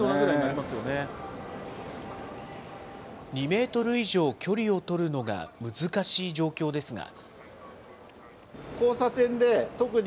２メートル以上、距離を取るのが難しい状況ですが。